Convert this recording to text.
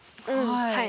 はい。